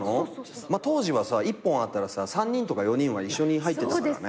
当時はさ１本あったらさ３人とか４人は一緒に入ってたからね。